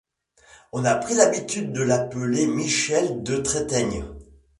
On a pris l'habitude de l'appeler Michel de Trétaigne.